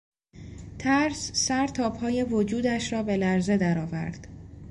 ترس سر تا پای وجودش را به لرزه در آورد.